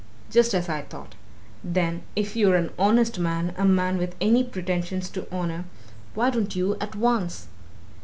"Just as I thought. Then, if you're an honest man, a man with any pretensions to honour, why don't you at once!